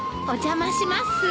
お邪魔します。